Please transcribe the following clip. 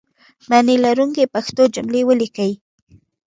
معنی لرونکي پښتو جملې ولیکئ!